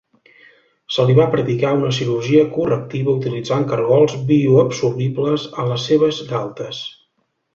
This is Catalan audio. Se li va practicar una cirurgia correctiva utilitzant cargols bioabsorbibles a les seves galtes.